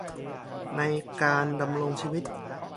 ในการดำรงชีวิต